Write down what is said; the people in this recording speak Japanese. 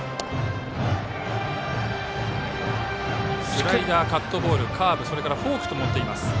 スライダー、カットボールカーブ、それからフォークと持っています。